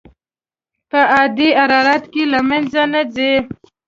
په عادي حرارت کې له منځه نه ځي.